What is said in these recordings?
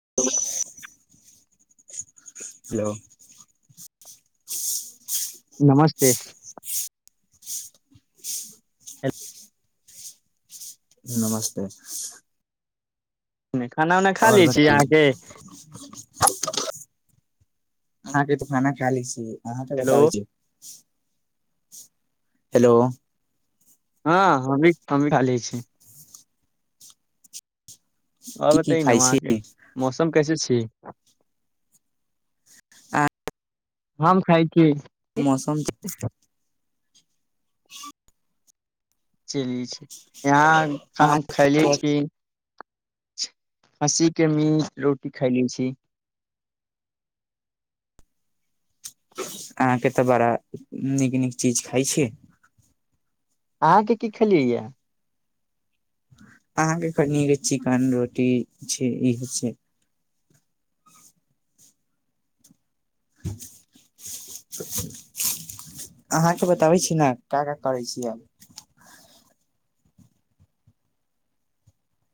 [inaudible] hello नमस्ते hello नमस्ते खाना उना खा आओर लैछी बताइ अहाँके अहाँके खाना खा लय छी हेलो बताबै छी हेलो हां हमी - हमी खा लय छी और की की बताइये न खाइ छी वहाँके मौसम कैसे छी अहाँ हम खाइ छी मौसम चलाई छै यहाँ काम खैले अहाँके छी खस्सी के मिट रोटी खेले छी अहाँके त बड़ा नीक नीक चीज खाइ छी अहाँके की खेलिये है अहाँके कानी चिकन रोटी छै ई छै अहाँके बताबै छी न का का करै छी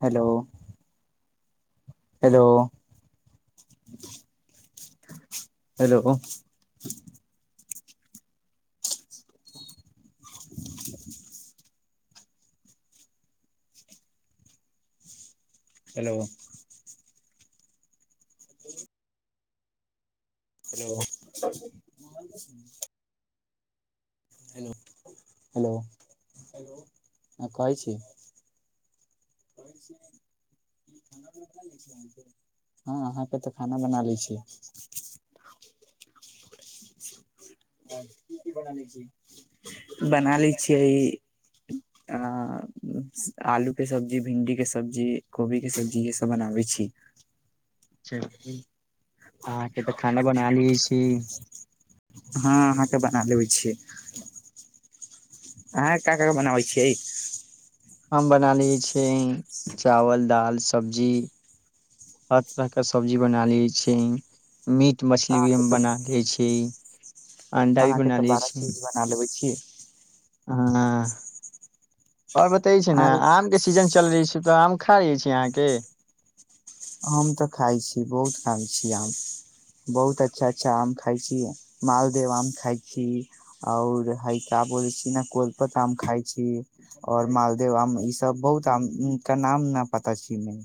hello hello hello hello [inaudible] hello कह छी हां अहाके त खाना बना लै छि बना लै छिय आहां आलू के सब्जी भिन्डी के सब्जी कोबी के सब्जी इहे सब बनाबै छी अहाँके त खाना बना लै छी हां अहाके बना देबाई छियै अहाँ का का बनाबै छियै हम बना लै छियै चावल दालि सब्जी हर तरहके सब्जी बना लै छियै मीट मछली भी अहाँके हम तऽ बना लै छियै अंडा भी अहाँके बना तऽ लिय बारह छी चीज बना लेबै छियै अंह् आओर बते छै ने अहाँके आम के सीजन चल रहे छै तऽ आम खा रह छी अहाँके आम तऽ खाइ छी बहुत खाइ छी आम बहुत अच्छा अच्छा आम खाइ छी मालदेव आम खाइछी आओर हैका बोलै छीै ने कोलपत आम खाइ छी आओर मालदेव आम इसभ बहुत आमके नाम ने पता छै नहि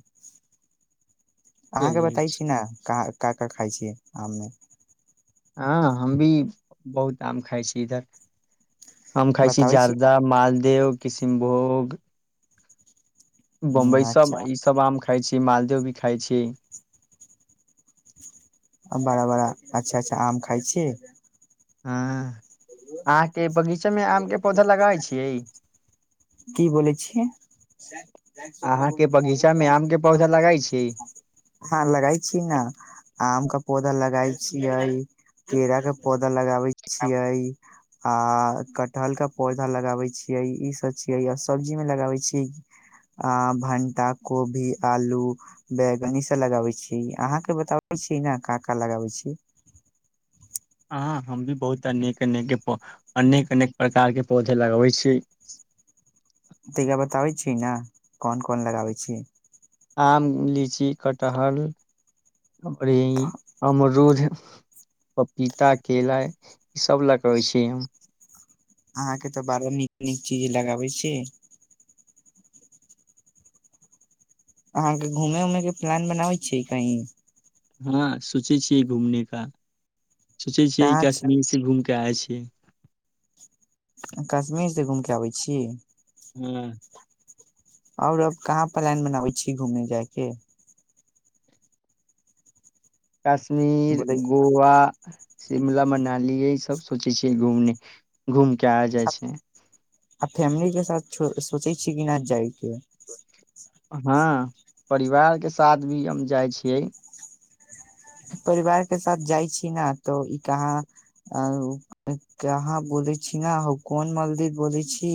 अहाँके चलिये छी बताईछी ने काँ का का खाइ छी आममे हँ हम भी बहुत आम खाइ छी इधर हम खाइ छी बताबै न जारदा मालदेव किस भोग बम्बई ह सब अच्छा ई सब आम खाइ छी मालद भी खाइ छी बड़ा बड़ा अच्छा अच्छा आम खाइ छि हूं अहाँके बगीचामे आम के पौधा लगाबै छियै की बोलै छिअई अहाँके बगीचा मे आम के पौधा लगाइ छी हँ लगाय छी ने आम के पौधा लगाबै छियै केला के पौधा लगाबै छियै आ कटहल के पौधा लगाबै छियै इ सब चज सब्जी मे लगाबे छी आ भंटा कोभी आलू बैंगन ई सब लगाबे छी अहाँ के बताबै छी ने क का लगाबै छी ह हम भी बहुत अनेक अनेक के पौ अनेक अनेक प्रकारके पौधे लगबै छी तरा बताबै छीियै ने कोन कोन लगाबै छीयै आम लीची कटहल अर हमर रोज पपीता केेला ई सब लगबै छि हम अहाँके तऽ बड़ा नीक नीक चीज लगाबै छी अहाँके घूमे उमेके प्लान बनाबै छियै कहीं हँ सोचै छियै घूमने का सोचै छियै ई कहाँ कश्मीर से घूम क आय छी [unintelligible] कश्मीर से घूम क आबै छी हँ आओर अब कहाँ प्लान बनाबै छी घूमय जायके काश्मीर बोले गोआ शिमला मनाली यह सब सोचै छियै घूमने घूम क आ जाइ छै आ फैमिली के साथ सोचै छिय कि नहि जायके हँ परिवारके साथ भी हम जाइ छियै परिवार के साथ जाइ छी न तऽ ई कहाँ कहाँ बोले छी ने कोन मन्दिर बोलै छी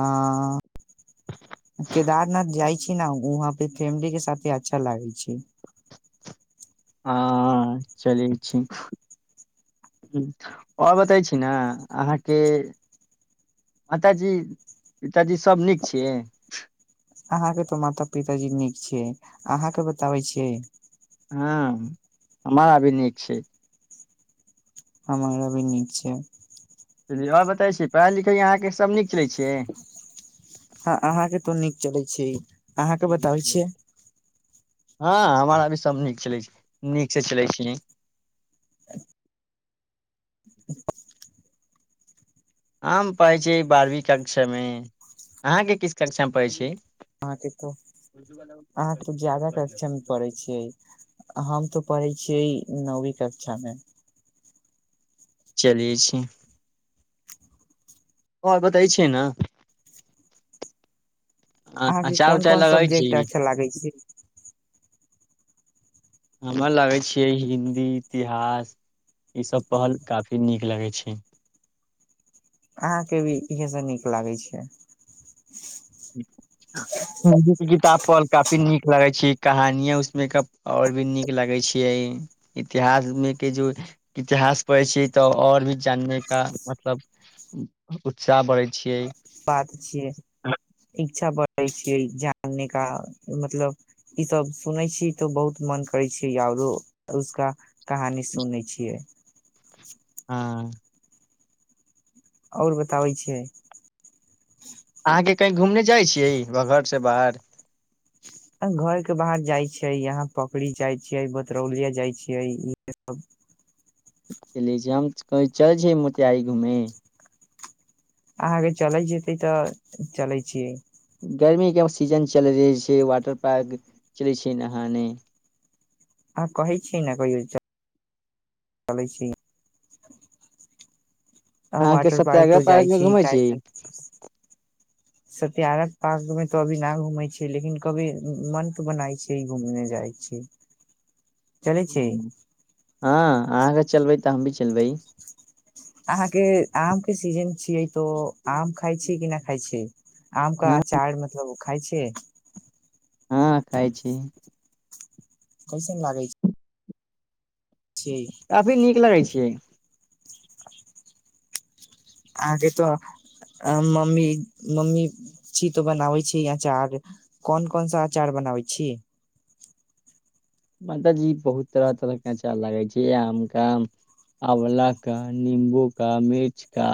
आ केदारनाथ जाइ छी न वहाँ पे फैमिली के साथे अच्छा लागै छै हँ चलै छी ह आओर बतै छी ने अहाँके माताजी पिताजी सभ नीक छियै अहाँके तऽ माता पिताजी नीक छैिय अहाँके बताबै छियै हँ हमराभी नीक छै हमरो भी निक छै आओ बबै छी पढ़ाइ लिखाइ अहाँके सभ नीक चलै छ छी अहाँके बताबै छियै हँ हमरा भी सभ नीक चलै छै नीकसँ चलै छी आम पै छै बारहवीं कक्षा मे अहाँके किस कक्षा मे पढ़ै छै अहाँके तो अहाँके ज्यादा कक्षामे पढय छियै हम तो पढ़य छियै नौवी कक्षा मे चलिय छी हँ बताै छिय ने अहाँके अचार कोन उचार कोन लगै छी सब्जेक्ट अच्छा लागै छी हमरा लागै छै हिन्दी इतिहास ईसभ पहल काफी नीक लगै छै अहाँके भी इहसभ नीक लागै छै किताब प काफी नीक लगे छै कहानिय उसमे आओर भी नीक लगे छैियै इतिहास मे के जो इतिहास पढ़े छियै तऽ आओर भी जानने का मतलब उत्साह बढ़े छियै बात छिय इच्छा बढ़ै छियै जानने का मतलब ईसभ सुनै छीयै तऽ बहुत मन करै छियै आओरो उसका कहानी सुनै छियै हँ आओर बताबै छियै अहाँके कही घूमने जाइ छियै घरसँ बाहर घर के बाहर जाइ छियै यहाँ पकड़ी जाइ छियै बतरौलिया जाइ छियै इह सब चल हम कही चल छै मोतिहारी घूमे अहाँके चलैत जेतै तऽ चलैत छियै गर्मीके सीजन चलैत रहै छै वाटर पार्क चलै छै नहाने आ कहै छियै ने कयौ चलय छी अ अहाँके वाटर पार्क सत्याग्रह तऽ जाइ मे छी घूमे क सत्यारथ पार्कमे तऽ अभी न घूमै छियै लेकिन कभी मन त बनाइ छै घूमने जाइ छी चलै छी हँ अहाँगर चलबै तऽ हम भी चलबै अहाँके आम के सीजन छियै तो आम खाइ छी कि नहि खाइ छी आमका हँ आचार मतलब उखा खइ छै हँ खाय छी कैसन लागै छै काफी नीक लगै छियै [inaudible] अहाँ के त मम्मी मम्मी छी तो बनाबै छी अचार कोन कोन सा अचार बनाबै छी माताजी बहुत तरह तरहके अचार लगै छै आम का आँवले का निम्बू का मिर्च का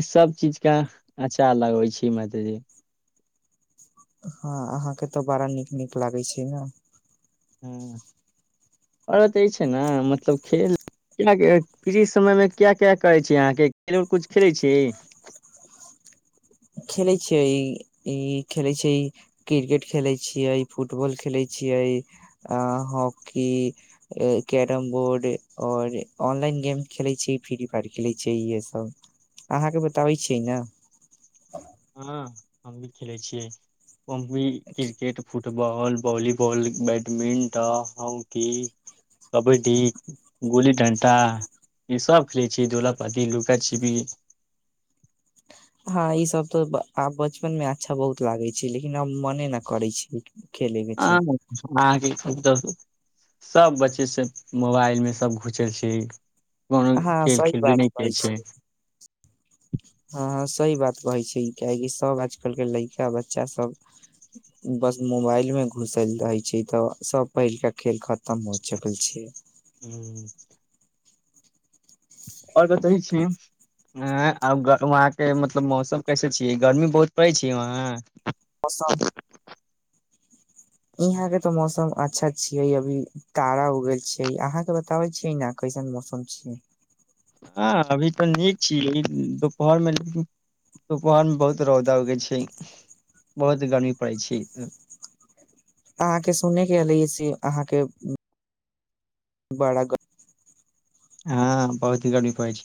ई सभ चीजके अचार लगै छै माताजी हँ अहाँके तऽ बड़ा नीक नीक लागैत छै ने हँ औरत ई छै ने मतलब खेल कृित समयमे क्या क्या करै छै अहाँके खेल कुछ खेलैत छीही खेलैत छियै ई खेलैत छै क्रिकेट खेलैत छियै फुटबॉल खेलैत छियै हॉकी कैरम बोर्ड आओर ऑनलाइन गेम खेलैत छीै फ्री फायर खेलैत छै इह सभ अहाँके बताबैत छियै ने [inaudible] हँ हम भी खेलै छियै हम भी cricket football volleyball badminton hockey kabaddi गुल्ली डंटा ईसभ खेलै छियै दोलाप्ती लुका छिपी हँ ई सब तऽ आब बचपन मे अच्छा बहुत लागे छै लेकिन आब मने ने करै छी आ अहांके सभ बच्चेसँ मोबाइलमे सभ घुसल छै कोनो हँ खेल सही खेलबे बात नहि छै हँ हँ सही बात कहै छै कियकि सब आजकल के लइका बच्चा सब बस मोबाइल में घुसल रहे छै तऽ सब पहिलका खेल खत्म त मोचकल छै आओर बतै छी अ वहांके मतलब मौसम कैसे छियै गर्मी बहुत पड़ै छै वहाँ पसम यहा के तऽ मौसम अच्छा छियै अभी तारा उग छैै अहाँके बताबै छियै ने कैसन मौसम छियै हँ अभी तऽ नीक छीयै दुपहरमे लेकिन दुपहरमे बहुत रौदा उगै छै बहुत गर्मी पड़ै छै अहाँके सुनयके एलै से अहाँके बड़ा ग हँ बहुत गर्मी परै छै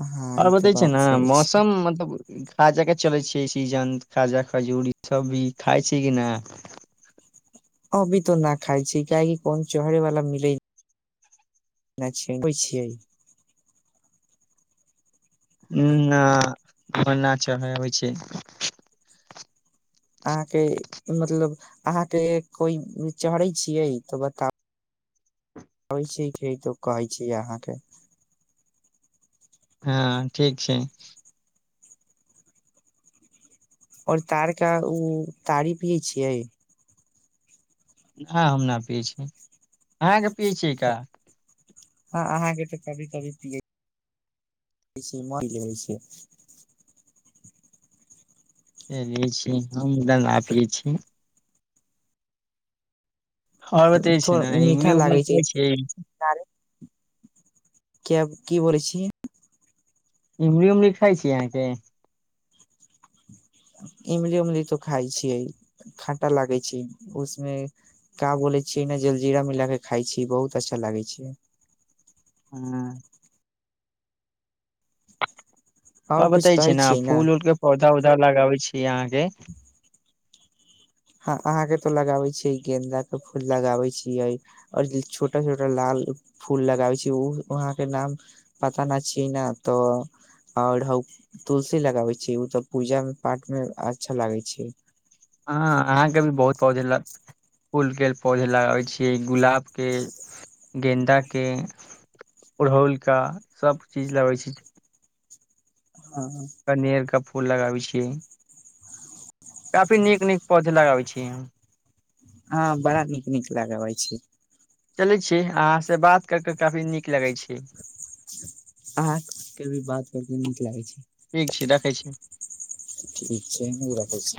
हँ आओर ई तऽ बतै छै बात ने सही छै मौसम मतलब काज क चलै छियै सीजन खाजा खजूर ई सब भी खाइ छै कि न अभी तो ना खाइ छै काहेकि कोन चढ़े वाला मिलै होइ छियै उ न उपर चढ़ै होइ छै अहाँके मतलब अहाँके कोइ चहरइ छियै तऽ बताउ अबै छै कि तो कहै छीय अहाँके हँ ठीक छै आओर तारके उ तारी पियै छियै ह हम न पियै छी अहाँके पियै छियै का हँ अहाँके तऽ कभी कभी पियै छै हम त ना पिय छी आओर बातऽ ई छै थोड़ ने मीठा ईगी उ लागै कहइ छै क्य की बोलय छी इमरी उऊमरी खााय छिय अहाँके इमली उमली तो खाइ छियै खाटा लागै छै उसमे का बोलै छियै ने जलजीरा मिला कऽ खाइ छी बहुत अच्छा लागै छै हँ ह आओर कुछ बताय छै कहै ने छियै फूल उऊल के पौधा उौधा लगाबै छी अहाँके हँ अहाँके तऽ लगाबै छियै गेन्दाके फूल लगाबै छियै आओर छोटा छोटा लाल फूल लगाबै छियै ओ वहाँके नाम पता नहि छ ने तऽ आओर तुलसी लगाबै छियै ओ तऽ पूजा पाठमे अच्छा लागै छै हँ अहाँके भी बहुत पौधा फूलके पौधा लगाबय छिय गुलाबके गेन्दाके अड़हुलके सभ चीज लगैत छी छै पनेरके फूल लगाबै छियै काफी नीक नीक पौधे लगाबै छियै हम हँ बड़ा नीक नीक लागबै छी चले छी अहाँ से बात कर के काफी नीक लगे छै अह के भी बात करते नीक लागै छै ठीक [inaudible] ठीक छै राखै छी